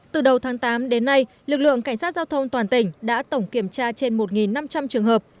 từ đầu tháng tám đến nay lực lượng cảnh sát giao thông toàn tỉnh đã tổng kiểm tra trên một năm trăm linh trường hợp